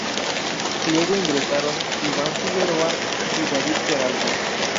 Luego ingresaron: Iván Figueroa y David Peralta.